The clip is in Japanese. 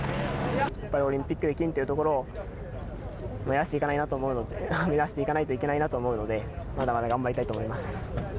やっぱりオリンピックで金というところを目指していかないといけないなと思うので、まだまだ頑張りたいと思います。